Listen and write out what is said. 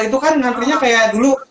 itu kan ngantrinya kayak dulu